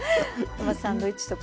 まあサンドイッチとか。